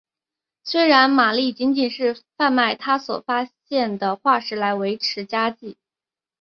虽然玛丽仅仅是贩卖她所发现的化石来维持家计。